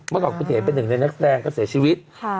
เมื่อก่อนคุณเหมเป็นหนึ่งในนักแสดงก็เสียชีวิต